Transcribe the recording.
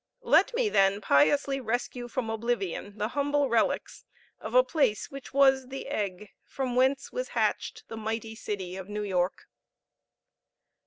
Let me, then, piously rescue from oblivion the humble relics of a place which was the egg from whence was hatched the mighty city of New York!